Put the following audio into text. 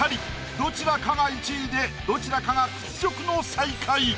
どちらかが１位でどちらかが屈辱の最下位。